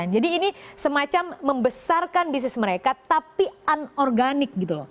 jadi ini semacam membesarkan bisnis mereka tapi unorganik